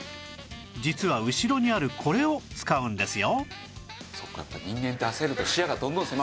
実は後ろにあるこれを使うんですよ